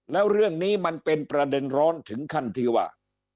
แล้วเรื่องนี้มันเป็นประเด็นร้อนถึงขั้นที่ว่า